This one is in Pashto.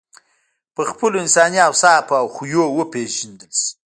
په خپلو انساني اوصافو او خویونو وپېژندل شې.